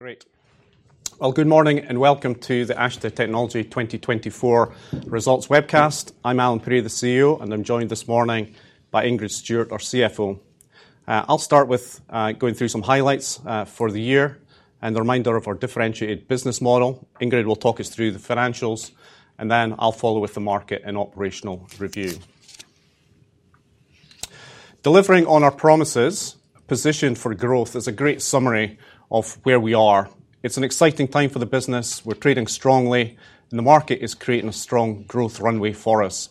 Great. Good morning and welcome to the Ashtead Technology 2024 Results Webcast. I'm Allan Pirie, the CEO, and I'm joined this morning by Ingrid Stewart, our CFO. I'll start with going through some highlights for the year and a reminder of our differentiated business model. Ingrid will talk us through the financials, and then I'll follow with the market and operational review. Delivering on our promises, positioned for growth, is a great summary of where we are. It's an exciting time for the business. We're trading strongly, and the market is creating a strong growth runway for us.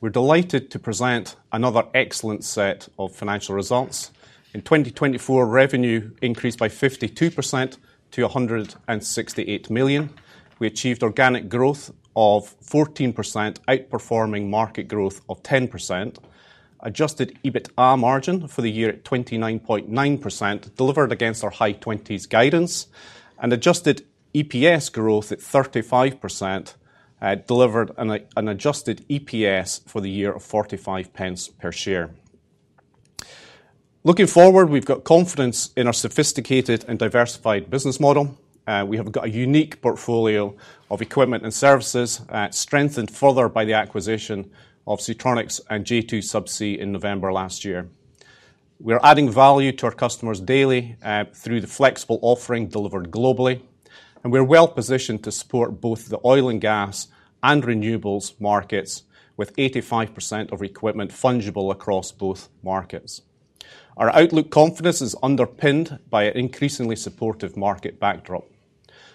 We're delighted to present another excellent set of financial results. In 2024, revenue increased by 52% to 168 million. We achieved organic growth of 14%, outperforming market growth of 10%. Adjusted EBITDA margin for the year at 29.9%, delivered against our high 20s guidance, and adjusted EPS growth at 35%, delivered an adjusted EPS for the year of 0.45 per share. Looking forward, we've got confidence in our sophisticated and diversified business model. We have got a unique portfolio of equipment and services, strengthened further by the acquisition of Seatronics and J2 Subsea in November last year. We are adding value to our customers daily through the flexible offering delivered globally, and we're well positioned to support both the oil and gas and renewables markets with 85% of equipment fungible across both markets. Our outlook confidence is underpinned by an increasingly supportive market backdrop.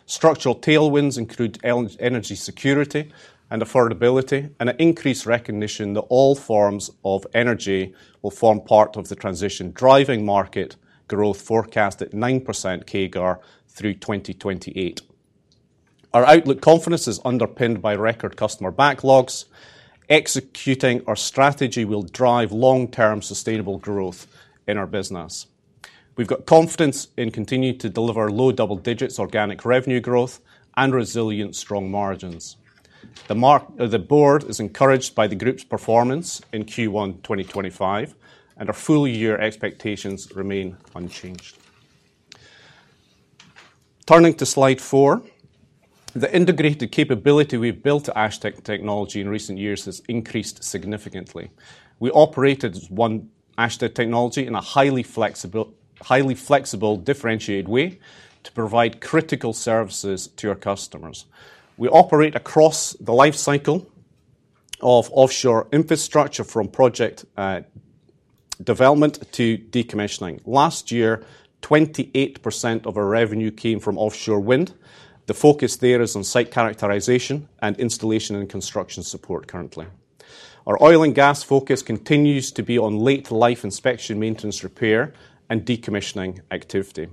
Structural tailwinds include energy security and affordability and an increased recognition that all forms of energy will form part of the transition driving market growth forecast at 9% CAGR through 2028. Our outlook confidence is underpinned by record customer backlogs. Executing our strategy will drive long-term sustainable growth in our business. We've got confidence in continuing to deliver low double digits organic revenue growth and resilient strong margins. The board is encouraged by the group's performance in Q1 2025, and our full year expectations remain unchanged. Turning to slide four, the integrated capability we've built at Ashtead Technology in recent years has increased significantly. We operated one Ashtead Technology in a highly flexible differentiated way to provide critical services to our customers. We operate across the lifecycle of offshore infrastructure from project development to decommissioning. Last year, 28% of our revenue came from offshore wind. The focus there is on site characterization and installation and construction support currently. Our oil and gas focus continues to be on late life inspection, maintenance, repair, and decommissioning activity.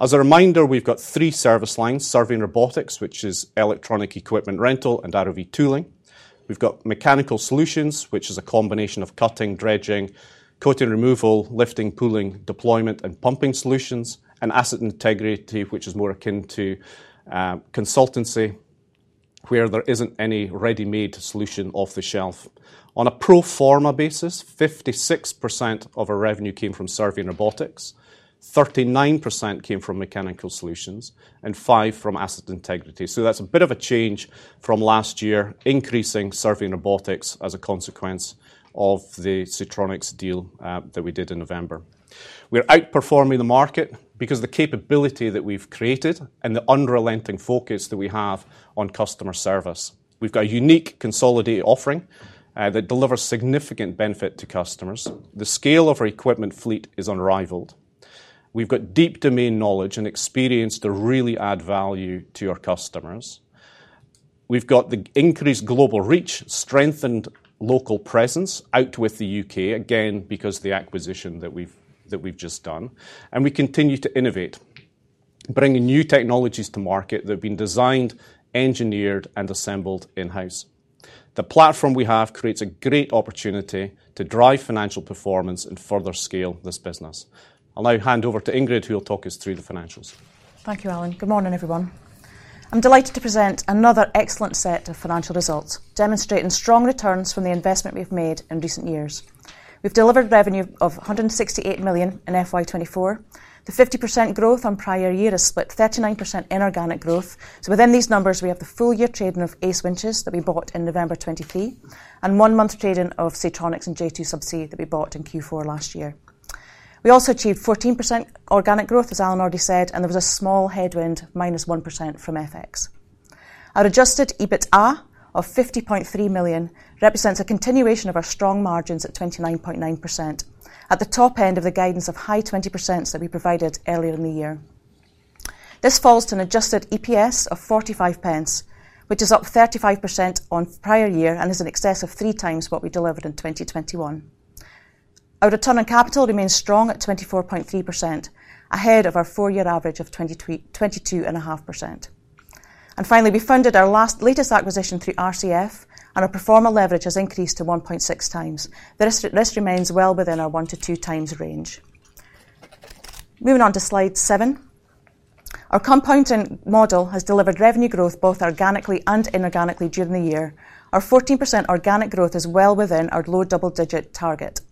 As a reminder, we've got three service lines Survey & Robotics, which is electronic equipment rental and ROV tooling. We've got Mechanical Solutions, which is a combination of cutting, dredging, coating removal, lifting, pulling, deployment, and pumping solutions, and Asset Integrity, which is more akin to consultancy where there isn't any ready-made solution off the shelf. On a pro forma basis, 56% of our revenue came from Survey & Robotics, 39% came from Mechanical Solutions, and 5% from Asset Integrity. That is a bit of a change from last year, increasing Survey & Robotics as a consequence of the Seatronics deal that we did in November. We're outperforming the market because of the capability that we've created and the unrelenting focus that we have on customer service. We've got a unique consolidated offering that delivers significant benefit to customers. The scale of our equipment fleet is unrivaled. We've got deep domain knowledge and experience to really add value to our customers. We've got the increased global reach, strengthened local presence outwith the U.K., again, because of the acquisition that we've just done, and we continue to innovate, bringing new technologies to market that have been designed, engineered, and assembled in-house. The platform we have creates a great opportunity to drive financial performance and further scale this business. I'll now hand over to Ingrid, who will talk us through the financials. Thank you, Allan. Good morning, everyone. I'm delighted to present another excellent set of financial results demonstrating strong returns from the investment we've made in recent years. We've delivered revenue of 168 million in FY2024. The 50% growth on prior year has split 39% inorganic growth. Within these numbers, we have the full year trading of ACE Winches that we bought in November 2023 and one month trading of Seatronics and J2 Subsea that we bought in Q4 last year. We also achieved 14% organic growth, as Allan already said, and there was a small headwind, -1% from FX. Our adjusted EBITDA of 50.3 million represents a continuation of our strong margins at 29.9% at the top end of the guidance of high 20% that we provided earlier in the year. This falls to an adjusted EPS of 0.45, which is up 35% on prior year and is in excess of 3x what we delivered in 2021. Our return on capital remains strong at 24.3%, ahead of our four-year average of 22.5%. Finally, we funded our latest acquisition through RCF, and our pro forma leverage has increased to 1.6x. The risk remains well within our1-2x range. Moving on to slide seven, our compounding model has delivered revenue growth both organically and inorganically during the year. Our 14% organic growth is well within our low double digit target.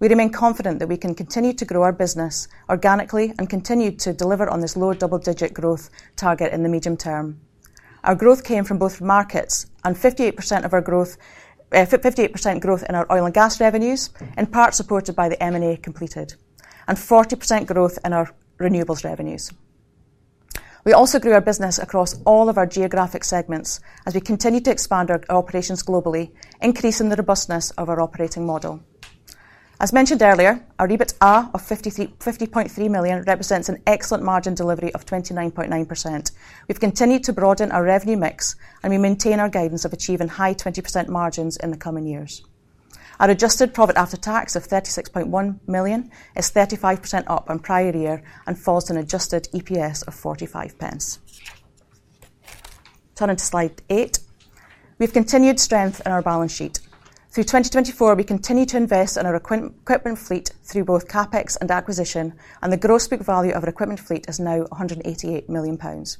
We remain confident that we can continue to grow our business organically and continue to deliver on this low double digit growth target in the medium term. Our growth came from both markets and 58% of our growth, 58% growth in our oil and gas revenues, in part supported by the M&A completed, and 40% growth in our renewables revenues. We also grew our business across all of our geographic segments as we continue to expand our operations globally, increasing the robustness of our operating model. As mentioned earlier, our EBITDA of 50.3 million represents an excellent margin delivery of 29.9%. We've continued to broaden our revenue mix, and we maintain our guidance of achieving high 20% margins in the coming years. Our adjusted profit after tax of 36.1 million is 35% up on prior year and falls to an adjusted EPS of 0.45. Turning to slide eight, we've continued strength in our balance sheet. Through 2024, we continue to invest in our equipment fleet through both CapEx and acquisition, and the gross book value of our equipment fleet is now 188 million pounds.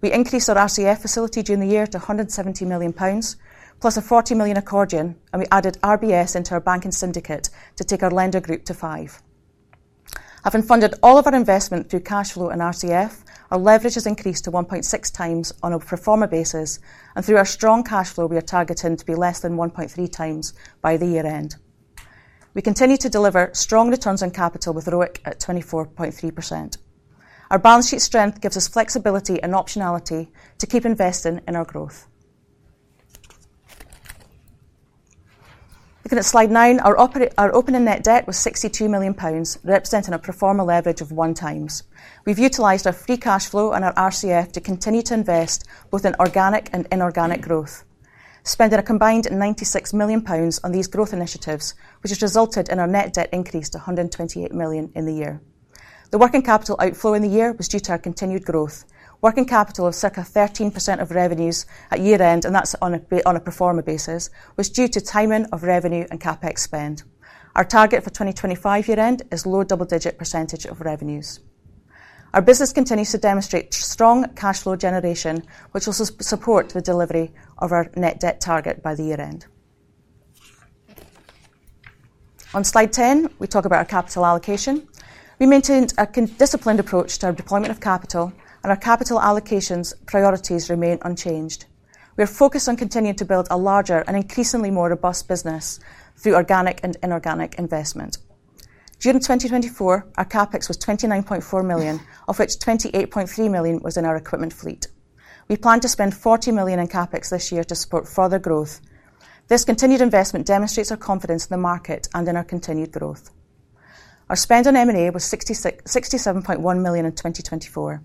We increased our RCF facility during the year to 170 million pounds, plus a 40 million accordion, and we added RBS into our banking syndicate to take our lender group to five. Having funded all of our investment through cash flow and RCF, our leverage has increased to 1.6x on a pro forma basis, and through our strong cash flow, we are targeting to be less than 1.3x by the year end. We continue to deliver strong returns on capital with ROIC at 24.3%. Our balance sheet strength gives us flexibility and optionality to keep investing in our growth. Looking at slide nine, our opening net debt was 62 million pounds, representing a pro forma leverage of one times. We've utilized our free cash flow and our RCF to continue to invest both in organic and inorganic growth, spending a combined 96 million pounds on these growth initiatives, which has resulted in our net debt increase to 128 million in the year. The working capital outflow in the year was due to our continued growth. Working capital of circa 13% of revenues at year end, and that's on a pro forma basis, was due to timing of revenue and CapEx spend. Our target for 2025 year end is low double digit % of revenues. Our business continues to demonstrate strong cash flow generation, which will support the delivery of our net debt target by the year end. On slide 10, we talk about our capital allocation. We maintained a disciplined approach to our deployment of capital, and our capital allocation priorities remain unchanged. We are focused on continuing to build a larger and increasingly more robust business through organic and inorganic investment. During 2024, our CapEx was 29.4 million, of which 28.3 million was in our equipment fleet. We plan to spend 40 million in CapEx this year to support further growth. This continued investment demonstrates our confidence in the market and in our continued growth. Our spend on M&A was GBP 67.1 million in 2024.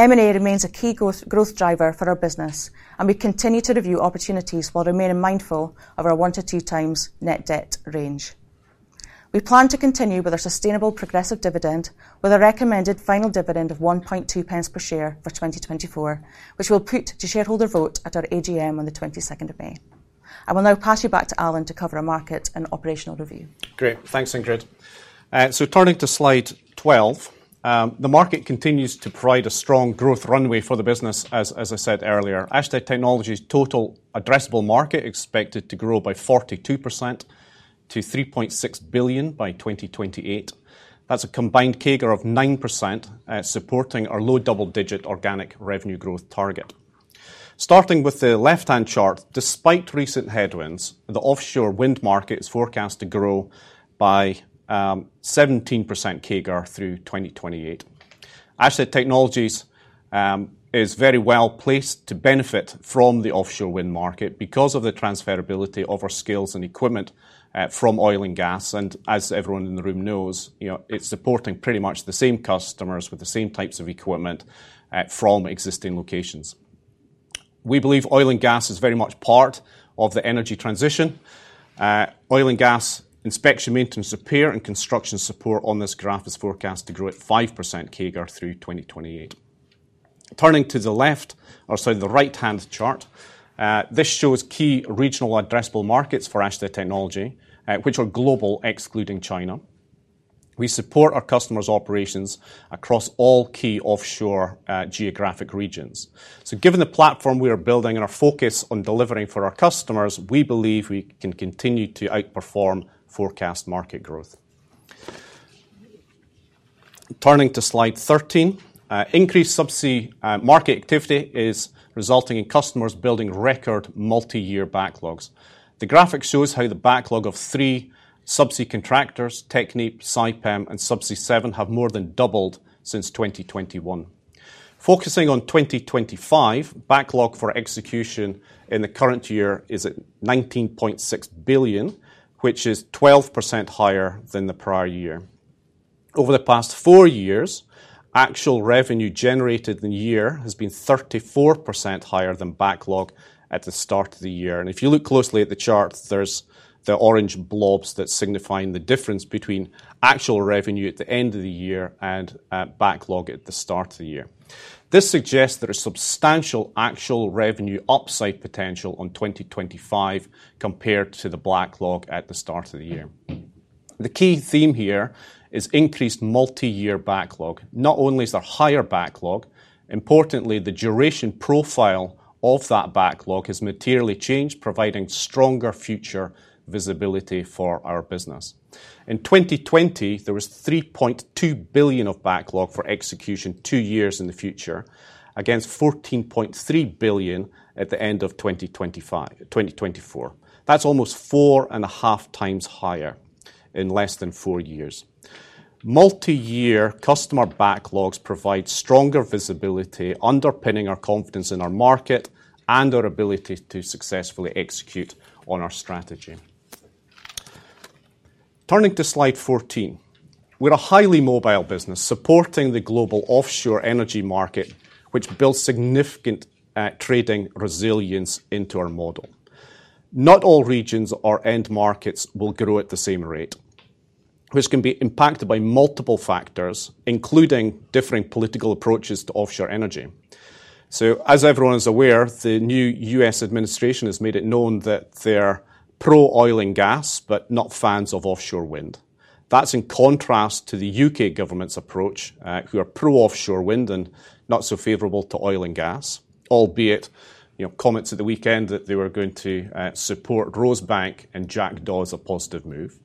M&A remains a key growth driver for our business, and we continue to review opportunities while remaining mindful of our one- to two-times net debt range. We plan to continue with our sustainable progressive dividend, with a recommended final dividend of 0.012 per share for 2024, which we'll put to shareholder vote at our AGM on the 22nd of May. I will now pass you back to Allan to cover our market and operational review. Great. Thanks, Ingrid. Turning to slide 12, the market continues to provide a strong growth runway for the business, as I said earlier. Ashtead Technology's total addressable market is expected to grow by 42% to 3.6 billion by 2028. That is a combined CAGR of 9%, supporting our low double-digit organic revenue growth target. Starting with the left-hand chart, despite recent headwinds, the offshore wind market is forecast to grow by 17% CAGR through 2028. Ashtead Technology is very well placed to benefit from the offshore wind market because of the transferability of our skills and equipment from oil and gas. As everyone in the room knows, it is supporting pretty much the same customers with the same types of equipment from existing locations. We believe oil and gas is very much part of the energy transition. Oil and gas inspection, maintenance, repair, and construction support on this graph is forecast to grow at 5% CAGR through 2028. Turning to the left, or sorry, the right-hand chart, this shows key regional addressable markets for Ashtead Technology, which are global, excluding China. We support our customers' operations across all key offshore geographic regions. Given the platform we are building and our focus on delivering for our customers, we believe we can continue to outperform forecast market growth. Turning to slide 13, increased subsea market activity is resulting in customers building record multi-year backlogs. The graphic shows how the backlog of three subsea contractors, TechnipFMC, Saipem, and Subsea7, have more than doubled since 2021. Focusing on 2025, backlog for execution in the current year is at $19.6 billion, which is 12% higher than the prior year. Over the past four years, actual revenue generated in the year has been 34% higher than backlog at the start of the year. If you look closely at the chart, there are the orange blobs that signify the difference between actual revenue at the end of the year and backlog at the start of the year. This suggests there is substantial actual revenue upside potential in 2025 compared to the backlog at the start of the year. The key theme here is increased multi-year backlog. Not only is there higher backlog, importantly, the duration profile of that backlog has materially changed, providing stronger future visibility for our business. In 2020, there was 3.2 billion of backlog for execution two years in the future, against 14.3 billion at the end of 2024. That is almost four and a half times higher in less than four years. Multi-year customer backlogs provide stronger visibility, underpinning our confidence in our market and our ability to successfully execute on our strategy. Turning to slide 14, we're a highly mobile business supporting the global offshore energy market, which builds significant trading resilience into our model. Not all regions or end markets will grow at the same rate, which can be impacted by multiple factors, including differing political approaches to offshore energy. As everyone is aware, the new U.S. administration has made it known that they're pro oil and gas, but not fans of offshore wind. That's in contrast to the U.K. government's approach, who are pro offshore wind and not so favorable to oil and gas, albeit comments at the weekend that they were going to support Rosebank and Jackdaw is a positive move.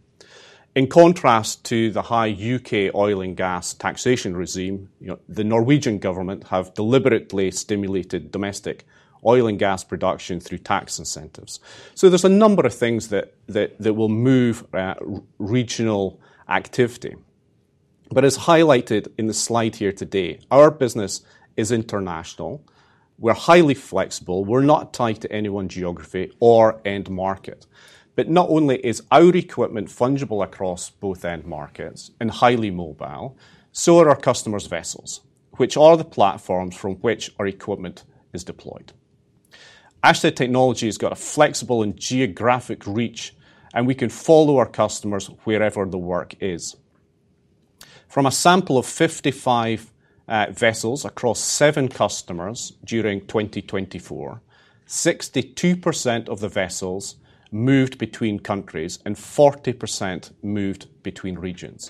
In contrast to the high U.K. oil and gas taxation regime, the Norwegian government has deliberately stimulated domestic oil and gas production through tax incentives. There are a number of things that will move regional activity. As highlighted in the slide here today, our business is international. We're highly flexible. We're not tied to any one geography or end market. Not only is our equipment fungible across both end markets and highly mobile, so are our customers' vessels, which are the platforms from which our equipment is deployed. Ashtead Technology has got a flexible and geographic reach, and we can follow our customers wherever the work is. From a sample of 55 vessels across seven customers during 2024, 62% of the vessels moved between countries and 40% moved between regions.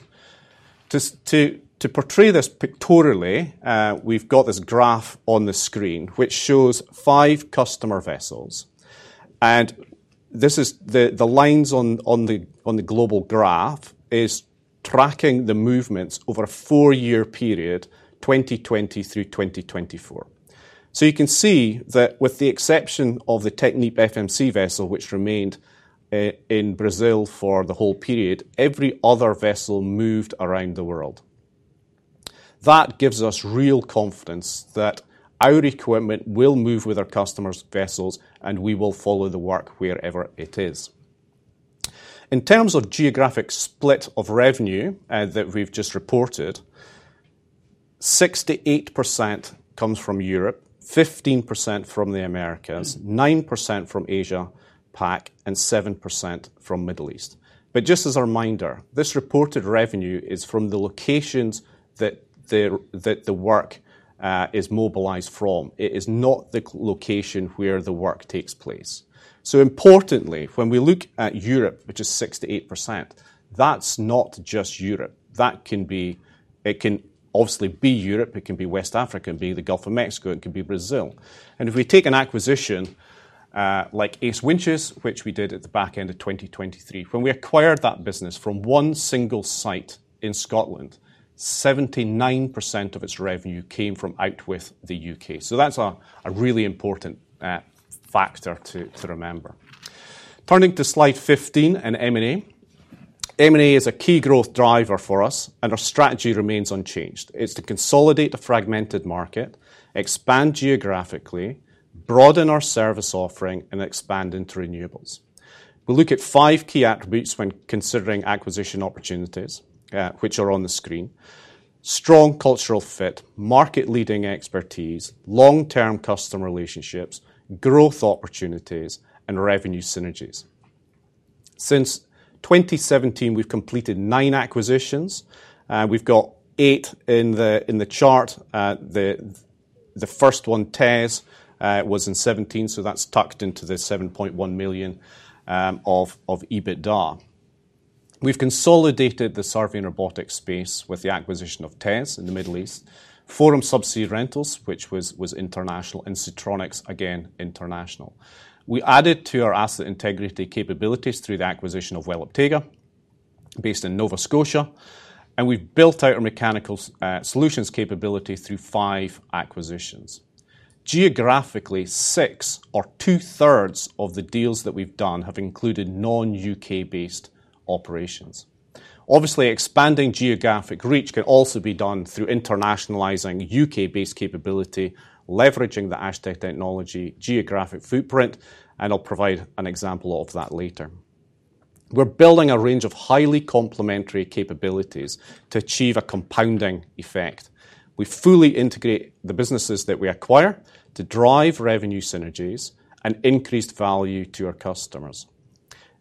To portray this pictorially, we've got this graph on the screen, which shows five customer vessels. The lines on the global graph are tracking the movements over a four-year period, 2020 through 2024. You can see that with the exception of the TechnipFMC vessel, which remained in Brazil for the whole period, every other vessel moved around the world. That gives us real confidence that our equipment will move with our customers' vessels, and we will follow the work wherever it is. In terms of geographic split of revenue that we have just reported, 68% comes from Europe, 15% from the Americas, 9% from Asia-Pac, and 7% from the Middle East. Just as a reminder, this reported revenue is from the locations that the work is mobilized from. It is not the location where the work takes place. Importantly, when we look at Europe, which is 68%, that is not just Europe. It can obviously be Europe. It can be West Africa, it can be the Gulf of Mexico, it can be Brazil. If we take an acquisition like Ace Winches, which we did at the back end of 2023, when we acquired that business from one single site in Scotland, 79% of its revenue came from outwith the U.K. That is a really important factor to remember. Turning to slide 15 and M&A. M&A is a key growth driver for us, and our strategy remains unchanged. It is to consolidate a fragmented market, expand geographically, broaden our service offering, and expand into renewables. We will look at five key attributes when considering acquisition opportunities, which are on the screen: strong cultural fit, market-leading expertise, long-term customer relationships, growth opportunities, and revenue synergies. Since 2017, we have completed nine acquisitions. We have got eight in the chart. The first one, TES, was in 2017, so that's tucked into the 7.1 million of EBITDA. We've consolidated the survey and robotics space with the acquisition of TES in the Middle East, Forum Subsea Rentals, which was international, and Seatronics, again, international. We added to our Asset Integrity capabilities through the acquisition of Welaptega, based in Nova Scotia, and we've built out our Mechanical Solutions capability through five acquisitions. Geographically, six or two-thirds of the deals that we've done have included non-U.K.-based operations. Obviously, expanding geographic reach can also be done through internationalizing U.K.-based capability, leveraging the Ashtead Technology geographic footprint, and I'll provide an example of that later. We're building a range of highly complementary capabilities to achieve a compounding effect. We fully integrate the businesses that we acquire to drive revenue synergies and increased value to our customers.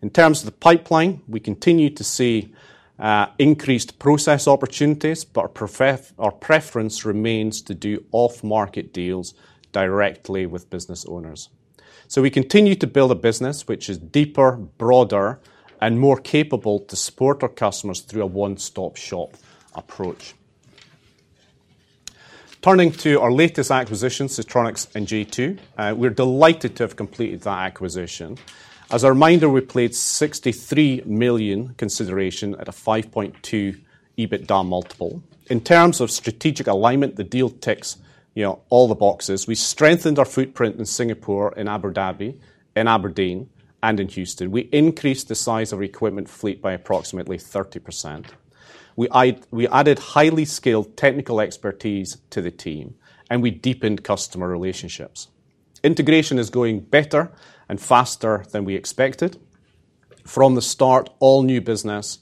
In terms of the pipeline, we continue to see increased process opportunities, but our preference remains to do off-market deals directly with business owners. We continue to build a business which is deeper, broader, and more capable to support our customers through a one-stop-shop approach. Turning to our latest acquisition, Seatronics and J2, we're delighted to have completed that acquisition. As a reminder, we paid 63 million consideration at a 5.2 EBITDA multiple. In terms of strategic alignment, the deal ticks all the boxes. We strengthened our footprint in Singapore, in Abu Dhabi, in Aberdeen, and in Houston. We increased the size of our equipment fleet by approximately 30%. We added highly skilled technical expertise to the team, and we deepened customer relationships. Integration is going better and faster than we expected. From the start, all new business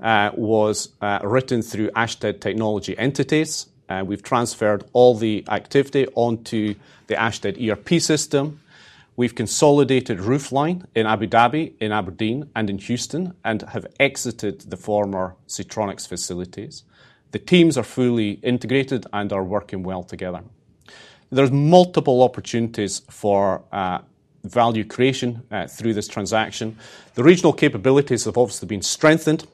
was written through Ashtead Technology entities. We've transferred all the activity onto the Ashtead ERP system. We've consolidated roofline in Abu Dhabi, in Aberdeen, and in Houston, and have exited the former Seatronics facilities. The teams are fully integrated and are working well together. There are multiple opportunities for value creation through this transaction. The regional capabilities have obviously been strengthened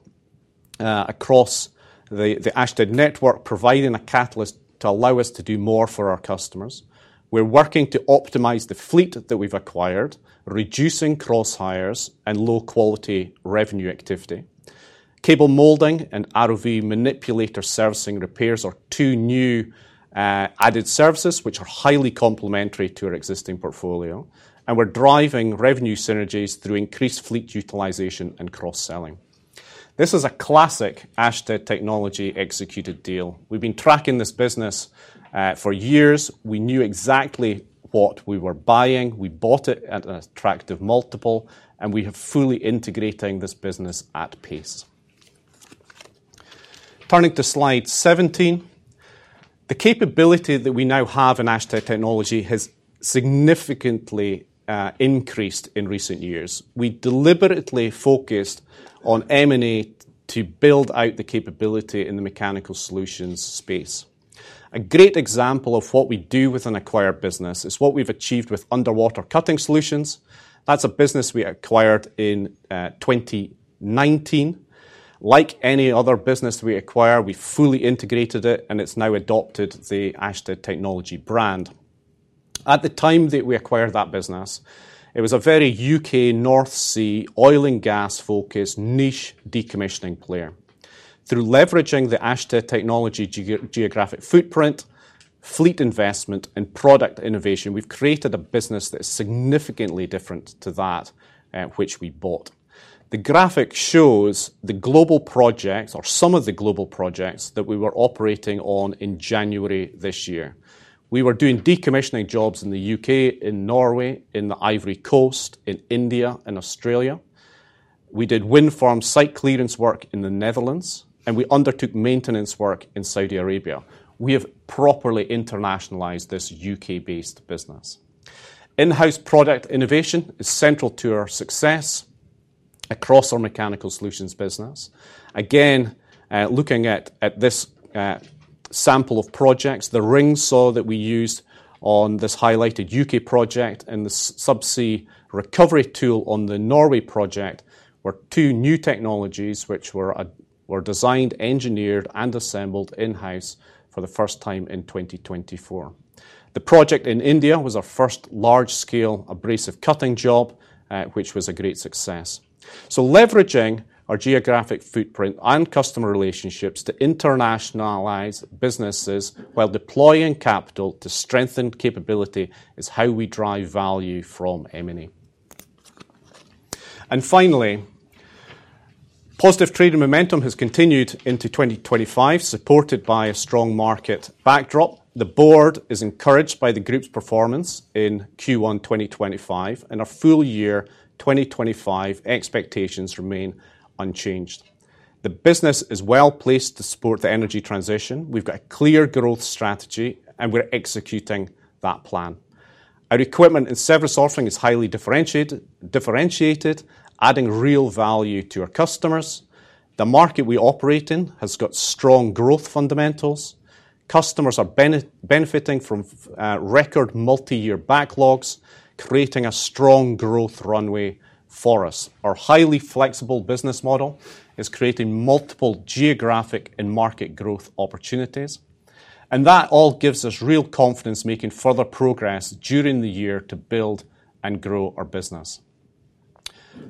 across the Ashtead network, providing a catalyst to allow us to do more for our customers. We're working to optimize the fleet that we've acquired, reducing cross-hires and low-quality revenue activity. Cable molding and ROV manipulator servicing repairs are two new added services which are highly complementary to our existing portfolio. We're driving revenue synergies through increased fleet utilization and cross-selling. This is a classic Ashtead Technology executed deal. We've been tracking this business for years. We knew exactly what we were buying. We bought it at an attractive multiple, and we have fully integrated this business at pace. Turning to slide 17, the capability that we now have in Ashtead Technology has significantly increased in recent years. We deliberately focused on M&A to build out the capability in the Mechanical Solutions space. A great example of what we do with an acquired business is what we've achieved with Underwater Cutting Solutions. That's a business we acquired in 2019. Like any other business we acquire, we fully integrated it, and it's now adopted the Ashtead Technology brand. At the time that we acquired that business, it was a very U.K. North Sea oil and gas-focused niche decommissioning player. Through leveraging the Ashtead Technology geographic footprint, fleet investment, and product innovation, we've created a business that is significantly different to that which we bought. The graphic shows the global projects, or some of the global projects, that we were operating on in January this year. We were doing decommissioning jobs in the U.K., in Norway, in the Ivory Coast, in India, in Australia. We did wind farm site clearance work in the Netherlands, and we undertook maintenance work in Saudi Arabia. We have properly internationalized this U.K.-based business. In-house product innovation is central to our success across our Mechanical Solutions business. Again, looking at this sample of projects, the ring saw that we used on this highlighted U.K. project and the subsea recovery tool on the Norway project were two new technologies which were designed, engineered, and assembled in-house for the first time in 2024. The project in India was our first large-scale abrasive cutting job, which was a great success. Leveraging our geographic footprint and customer relationships to internationalize businesses while deploying capital to strengthen capability is how we drive value from M&A. Finally, positive trading momentum has continued into 2025, supported by a strong market backdrop. The board is encouraged by the group's performance in Q1 2025, and our full year 2025 expectations remain unchanged. The business is well placed to support the energy transition. We've got a clear growth strategy, and we're executing that plan. Our equipment and service offering is highly differentiated, adding real value to our customers. The market we operate in has got strong growth fundamentals. Customers are benefiting from record multi-year backlogs, creating a strong growth runway for us. Our highly flexible business model is creating multiple geographic and market growth opportunities. That all gives us real confidence, making further progress during the year to build and grow our business.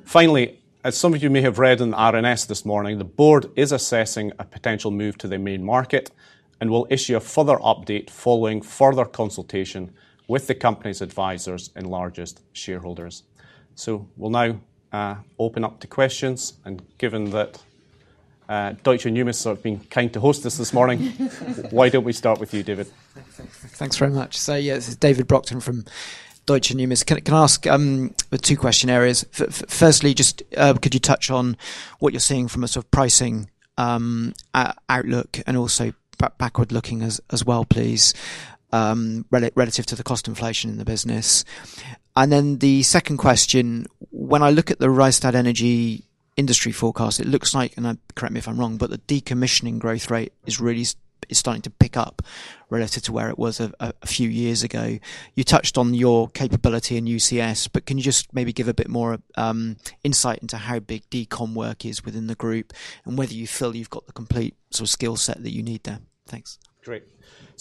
Finally, as some of you may have read in the RNS this morning, the board is assessing a potential move to the main market and will issue a further update following further consultation with the company's advisors and largest shareholders. We will now open up to questions. Given that Deutsche Numis have been kind to host us this morning, why do we not start with you, David? Thanks very much. Yes, David Brockton from Deutsche Numis. Can I ask two questionnaires? Firstly, just could you touch on what you are seeing from a sort of pricing outlook and also backward-looking as well, please, relative to the cost inflation in the business? Then the second question, when I look at the Rystad Energy industry forecast, it looks like, and correct me if I'm wrong, but the decommissioning growth rate is starting to pick up relative to where it was a few years ago. You touched on your capability in UCS, but can you just maybe give a bit more insight into how big decom work is within the group and whether you feel you've got the complete sort of skill set that you need there? Thanks. Great.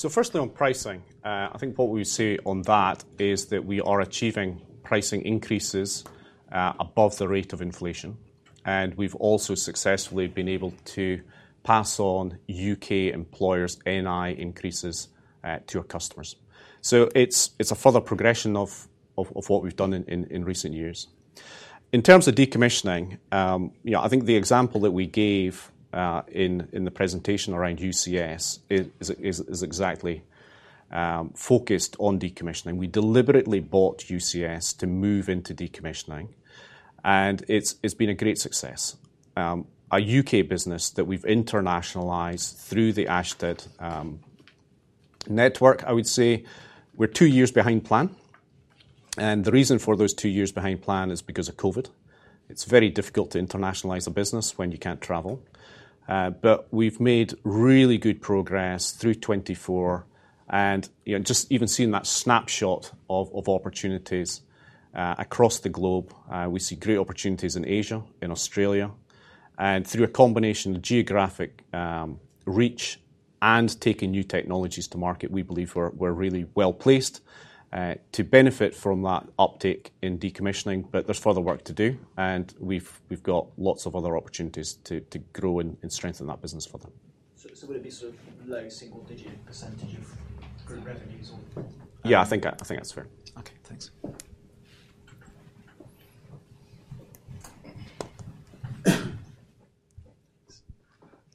Firstly, on pricing, I think what we see on that is that we are achieving pricing increases above the rate of inflation. We have also successfully been able to pass on U.K. employers' NI increases to our customers. It is a further progression of what we have done in recent years. In terms of decommissioning, I think the example that we gave in the presentation around Underwater Cutting Solutions is exactly focused on decommissioning. We deliberately bought Underwater Cutting Solutions to move into decommissioning, and it's been a great success. Our U.K. business that we've internationalized through the Ashtead network, I would say we're two years behind plan. The reason for those two years behind plan is because of COVID. It's very difficult to internationalize a business when you can't travel. We have made really good progress through 2024. Just even seeing that snapshot of opportunities across the globe, we see great opportunities in Asia, in Australia. Through a combination of geographic reach and taking new technologies to market, we believe we're really well placed to benefit from that uptake in decommissioning. There is further work to do, and we've got lots of other opportunities to grow and strengthen that business further. Would it be sort of low single-digit % of revenues? Yeah, I think that's fair. Okay, thanks.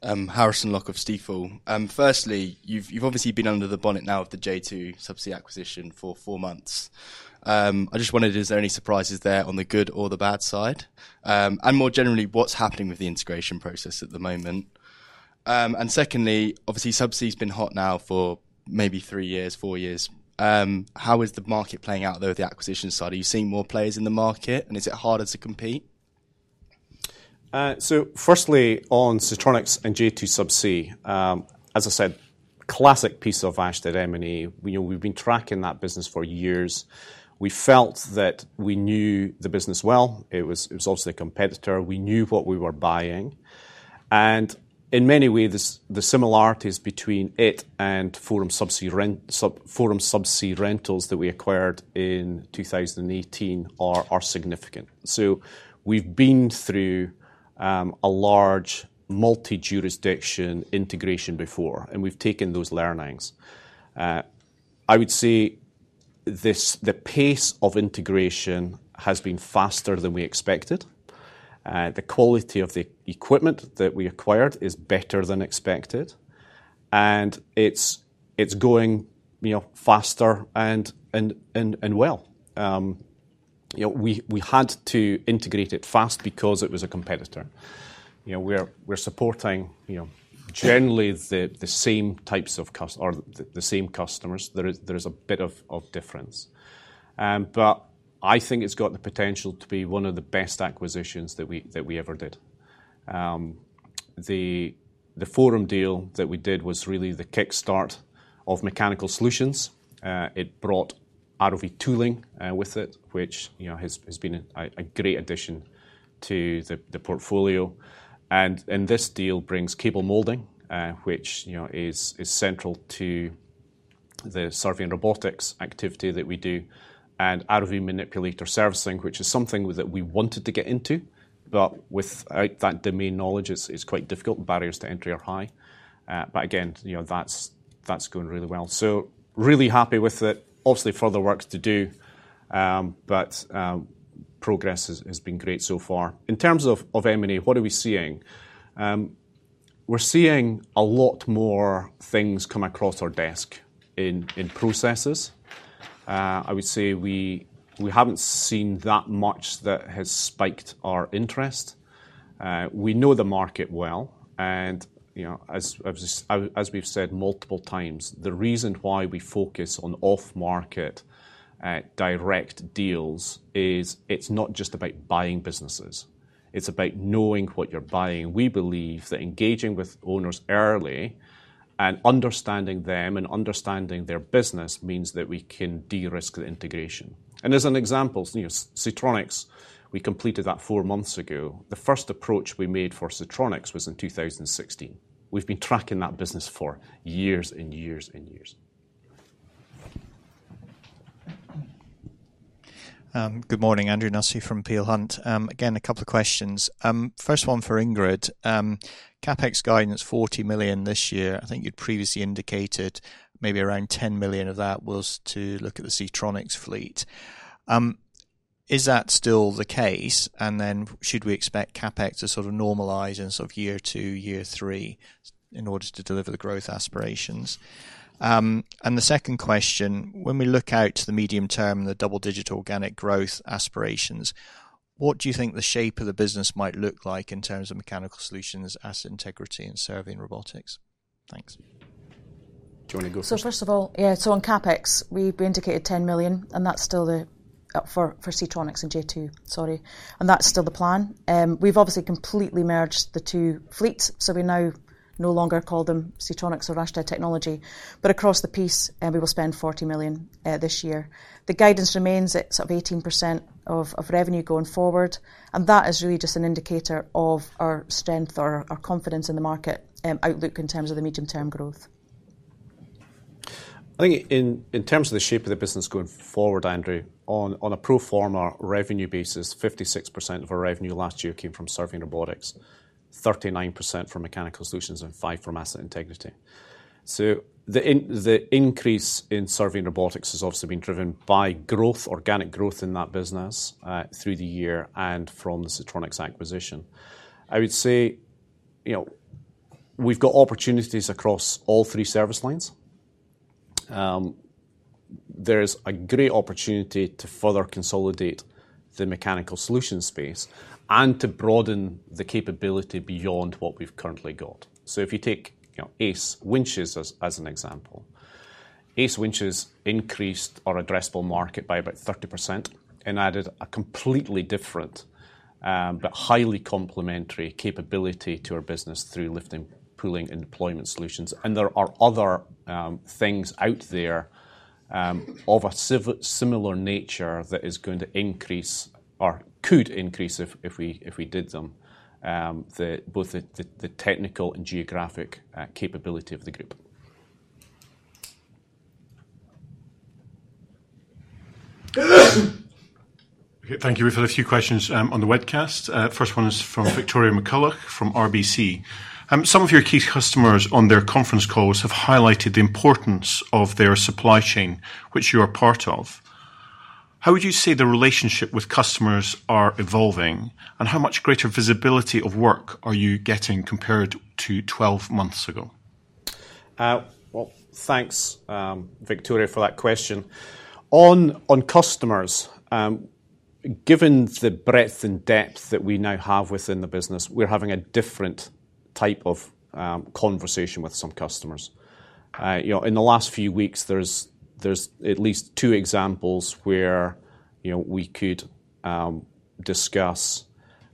Harrison Lock of Stifel. Firstly, you've obviously been under the bonnet now of the J2 Subsea acquisition for four months. I just wondered, is there any surprises there on the good or the bad side? More generally, what's happening with the integration process at the moment? Secondly, obviously, subsea has been hot now for maybe three years, four years. How is the market playing out, though, with the acquisition side? Are you seeing more players in the market, and is it harder to compete? Firstly, on Seatronics and J2 Subsea, as I said, classic piece of Ashtead M&A. We've been tracking that business for years. We felt that we knew the business well. It was obviously a competitor. We knew what we were buying. In many ways, the similarities between it and Forum Subsea Rentals that we acquired in 2018 are significant. We have been through a large multi-jurisdiction integration before, and we have taken those learnings. I would say the pace of integration has been faster than we expected. The quality of the equipment that we acquired is better than expected, and it is going faster and well. We had to integrate it fast because it was a competitor. We are supporting generally the same types of or the same customers. There is a bit of difference. I think it has the potential to be one of the best acquisitions that we ever did. The Forum deal that we did was really the kickstart of Mechanical Solutions. It brought ROV tooling with it, which has been a great addition to the portfolio. This deal brings cable molding, which is central to the survey and robotics activity that we do, and ROV manipulator servicing, which is something that we wanted to get into. Without that domain knowledge, it's quite difficult. The barriers to entry are high. That is going really well. Really happy with it. Obviously, further work to do, but progress has been great so far. In terms of M&A, what are we seeing? We're seeing a lot more things come across our desk in processes. I would say we haven't seen that much that has spiked our interest. We know the market well. As we've said multiple times, the reason why we focus on off-market direct deals is it's not just about buying businesses. It's about knowing what you're buying. We believe that engaging with owners early and understanding them and understanding their business means that we can de-risk the integration. As an example, Seatronics, we completed that four months ago. The first approach we made for Seatronics was in 2016. We've been tracking that business for years and years and years. Good morning, Andrew Nussey from Peel Hunt. Again, a couple of questions. First one for Ingrid. CapEx guidance, 40 million this year. I think you'd previously indicated maybe around 10 million of that was to look at the Seatronics fleet. Is that still the case? Should we expect CapEx to sort of normalize in sort of year two, year three in order to deliver the growth aspirations? The second question, when we look out to the medium term and the double-digit organic growth aspirations, what do you think the shape of the business might look like in terms of Mechanical Solutions, Asset Integrity, and Survey & Robotics? Thanks. Do you want to go first? First of all, yeah, on CapEx, we've indicated 10 million, and that's still for Seatronics and J2, sorry. That's still the plan. We've obviously completely merged the two fleets, so we now no longer call them Seatronics or Ashtead Technology. Across the piece, we will spend 40 million this year. The guidance remains at sort of 18% of revenue going forward, and that is really just an indicator of our strength, our confidence in the market outlook in terms of the medium-term growth. I think in terms of the shape of the business going forward, Andrew, on a pro forma revenue basis, 56% of our revenue last year came from Survey & Robotics, 39% from Mechanical Solutions, and 5% from Asset Integrity. The increase in Survey & Robotics has obviously been driven by growth, organic growth in that business through the year and from the Seatronics acquisition. I would say we've got opportunities across all three service lines. There is a great opportunity to further consolidate the Mechanical Solutions space and to broaden the capability beyond what we've currently got. If you take Ace Winches as an example, Ace Winches increased our addressable market by about 30% and added a completely different but highly complementary capability to our business through lifting, pulling, and deployment solutions. There are other things out there of a similar nature that is going to increase or could increase if we did them, both the technical and geographic capability of the group. We have had a few questions on the webcast. First one is from Victoria McCullough from RBC. Some of your key customers on their conference calls have highlighted the importance of their supply chain, which you are part of. How would you say the relationship with customers are evolving, and how much greater visibility of work are you getting compared to 12 months ago? Thank you, Victoria, for that question. On customers, given the breadth and depth that we now have within the business, we are having a different type of conversation with some customers. In the last few weeks, there's at least two examples where we could discuss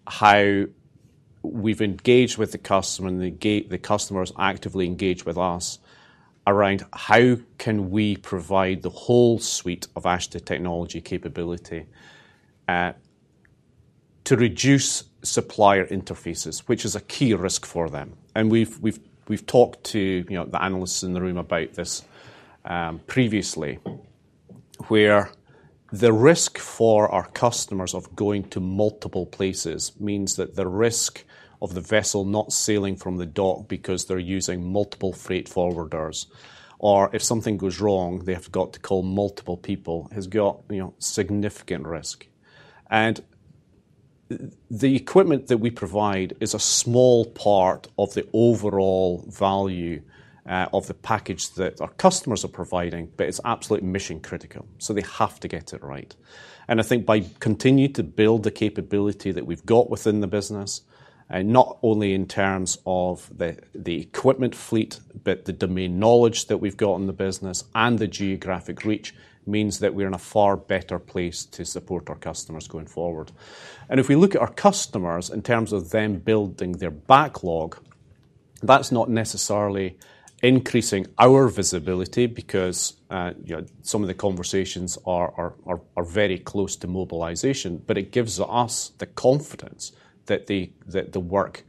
how we've engaged with the customer and the customers actively engage with us around how can we provide the whole suite of Ashtead Technology capability to reduce supplier interfaces, which is a key risk for them. We have talked to the analysts in the room about this previously, where the risk for our customers of going to multiple places means that the risk of the vessel not sailing from the dock because they're using multiple freight forwarders, or if something goes wrong, they have got to call multiple people, has got significant risk. The equipment that we provide is a small part of the overall value of the package that our customers are providing, but it's absolutely mission-critical. They have to get it right. I think by continuing to build the capability that we've got within the business, not only in terms of the equipment fleet, but the domain knowledge that we've got in the business and the geographic reach means that we're in a far better place to support our customers going forward. If we look at our customers in terms of them building their backlog, that's not necessarily increasing our visibility because some of the conversations are very close to mobilization, but it gives us the confidence that the work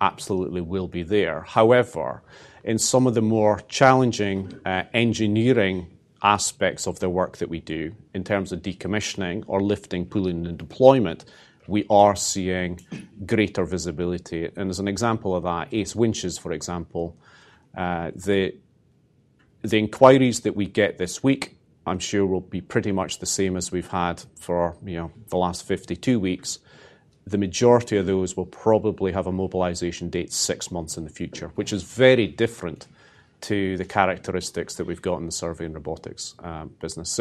absolutely will be there. However, in some of the more challenging engineering aspects of the work that we do in terms of decommissioning or lifting, pulling, and deployment, we are seeing greater visibility. As an example of that, Ace Winches, for example, the inquiries that we get this week, I'm sure will be pretty much the same as we've had for the last 52 weeks. The majority of those will probably have a mobilization date six months in the future, which is very different to the characteristics that we've got in the survey and robotics business.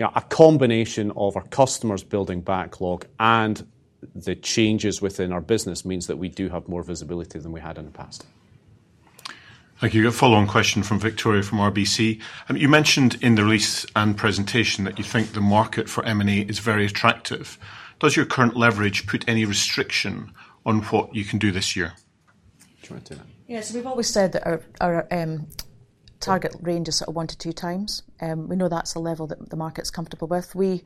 A combination of our customers building backlog and the changes within our business means that we do have more visibility than we had in the past. Thank you. A follow-on question from Victoria from RBC. You mentioned in the release and presentation that you think the market for M&A is very attractive. Does your current leverage put any restriction on what you can do this year? Do you want to do that? Yeah, so we've always said that our target range is sort of one to two times. We know that's a level that the market's comfortable with. We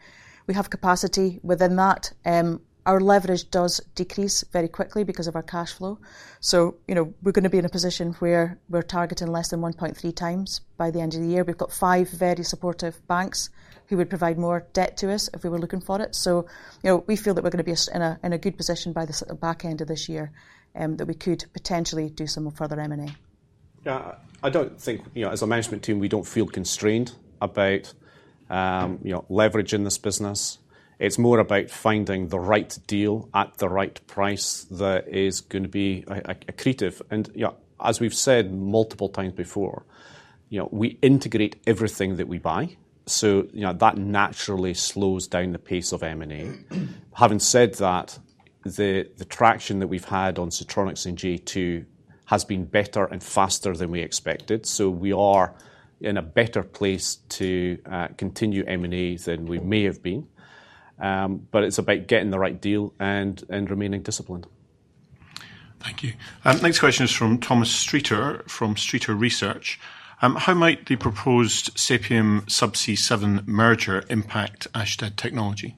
have capacity within that. Our leverage does decrease very quickly because of our cash flow. We're going to be in a position where we're targeting less than 1.3x by the end of the year. We've got five very supportive banks who would provide more debt to us if we were looking for it. We feel that we're going to be in a good position by the back end of this year that we could potentially do some further M&A. Yeah, I don't think as a management team, we don't feel constrained about leveraging this business. It's more about finding the right deal at the right price that is going to be accretive. As we've said multiple times before, we integrate everything that we buy. That naturally slows down the pace of M&A. Having said that, the traction that we've had on Seatronics and J2 has been better and faster than we expected. We are in a better place to continue M&A than we may have been. It is about getting the right deal and remaining disciplined. Thank you. The next question is from Thomas Streeter from Streeter Research. How might the proposed Saipem-Subsea7 merger impact Ashtead Technology?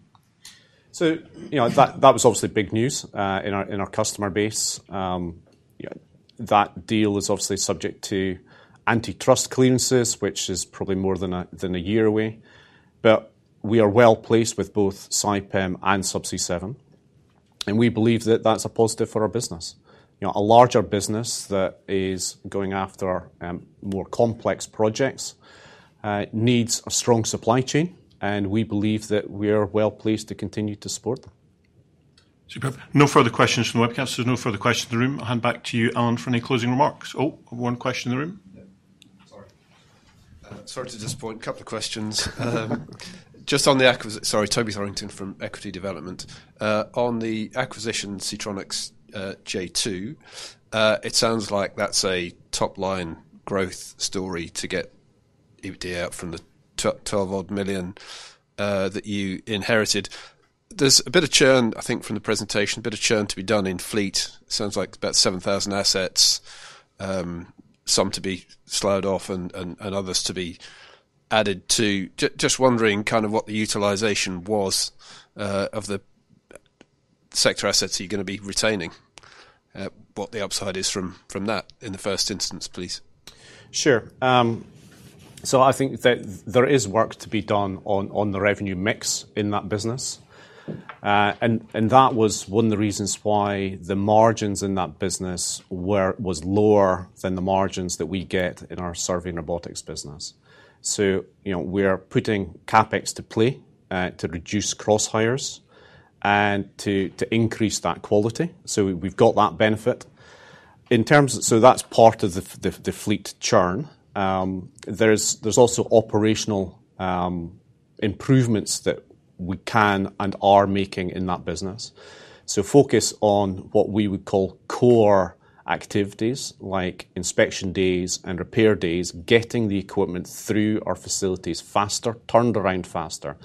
That was obviously big news in our customer base. That deal is obviously subject to antitrust clearances, which is probably more than a year away. We are well placed with both Saipem and Subsea 7, and we believe that is a positive for our business. A larger business that is going after more complex projects needs a strong supply chain, and we believe that we are well placed to continue to support them. Superb. No further questions from the webcast. There's no further questions in the room. I'll hand back to you, Allan, for any closing remarks. Oh, one question in the room. Sorry. Sorry to disappoint. A couple of questions. Just on the acquisition, sorry, Toby Thorrington from Equity Development. On the acquisition, Seatronics J2, it sounds like that's a top-line growth story to get EBITDA out from the 12-odd million that you inherited. There's a bit of churn, I think, from the presentation, a bit of churn to be done in fleet. Sounds like about 7,000 assets, some to be slowed off and others to be added to. Just wondering kind of what the utilization was of the sector assets you're going to be retaining, what the upside is from that in the first instance, please. Sure. I think that there is work to be done on the revenue mix in that business. That was one of the reasons why the margins in that business were lower than the margins that we get in our survey and robotics business. We are putting CapEx to play to reduce cross-hires and to increase that quality. We have got that benefit. That is part of the fleet churn. There are also operational improvements that we can and are making in that business. Focus on what we would call core activities like inspection days and repair days, getting the equipment through our facilities faster, turned around faster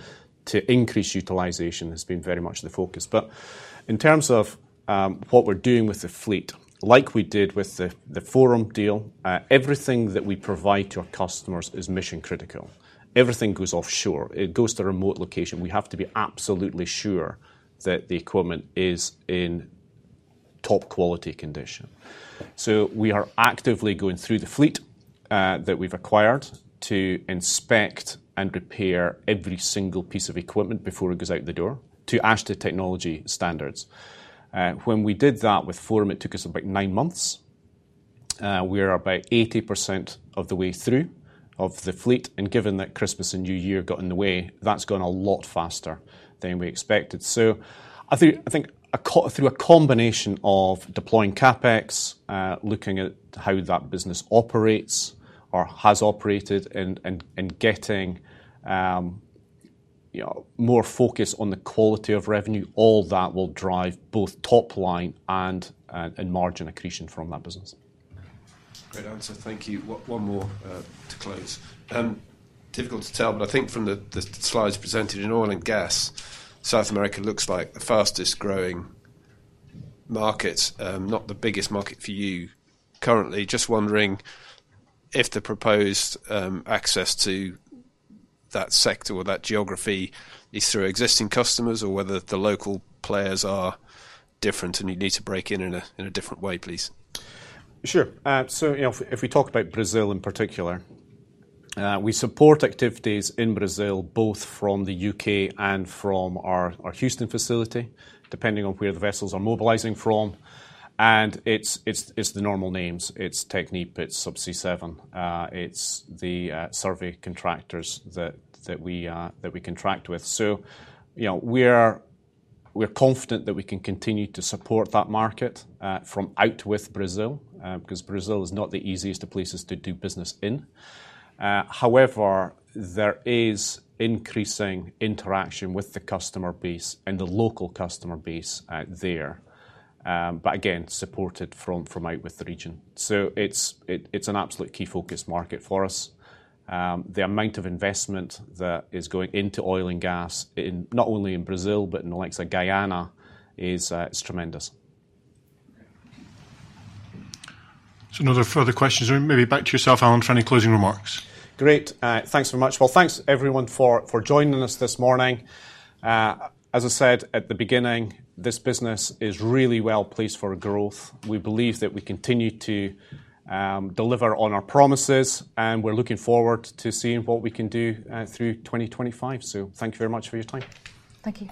to increase utilization has been very much the focus. In terms of what we're doing with the fleet, like we did with the Forum deal, everything that we provide to our customers is mission-critical. Everything goes offshore. It goes to remote location. We have to be absolutely sure that the equipment is in top-quality condition. We are actively going through the fleet that we've acquired to inspect and repair every single piece of equipment before it goes out the door to Ashtead Technology standards. When we did that with Forum, it took us about nine months. We are about 80% of the way through of the fleet. Given that Christmas and New Year got in the way, that's gone a lot faster than we expected. I think through a combination of deploying CapEx, looking at how that business operates or has operated, and getting more focus on the quality of revenue, all that will drive both top-line and in margin accretion from that business. Great answer. Thank you. One more to close. Difficult to tell, but I think from the slides presented in oil and gas, South America looks like the fastest-growing market, not the biggest market for you currently. Just wondering if the proposed access to that sector or that geography is through existing customers or whether the local players are different and you need to break in in a different way, please. Sure. If we talk about Brazil in particular, we support activities in Brazil both from the U.K. and from our Houston facility, depending on where the vessels are mobilizing from. It is the normal names. It's TechnipFMC, it's Subsea7, it's the survey contractors that we contract with. We are confident that we can continue to support that market from outwith Brazil because Brazil is not the easiest of places to do business in. However, there is increasing interaction with the customer base and the local customer base there, again supported from outwith the region. It is an absolute key focus market for us. The amount of investment that is going into oil and gas, not only in Brazil, but in the likes of Guyana, is tremendous. No further questions. Maybe back to yourself, Allan, for any closing remarks. Great. Thanks very much. Thanks everyone for joining us this morning. As I said at the beginning, this business is really well placed for growth. We believe that we continue to deliver on our promises, and we're looking forward to seeing what we can do through 2025. Thank you very much for your time. Thank you.